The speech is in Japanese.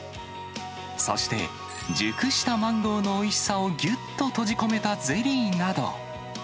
そして、熟したマンゴーのおいしさをぎゅっと閉じ込めたゼリーなど。